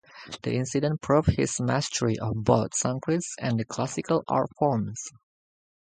The incident proved his mastery of both Sanskrit and the classical art forms.